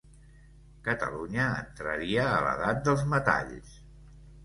Catalunya entraria a l'edat dels metalls.